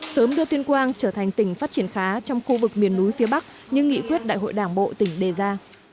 sớm đưa tuyên quang trở thành tỉnh phát triển khá trong khu vực miền núi phía bắc như nghị quyết đại hội đảng bộ tỉnh đề ra